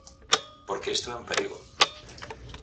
Porque isto é un perigo.